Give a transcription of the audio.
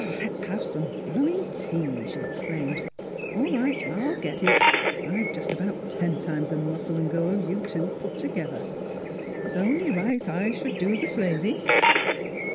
"Let's have some blooming tea!" she exclaimed. "All right, I'll get it. I've just about ten times the muscle and go of you two put together; it's only right I should do the slavey."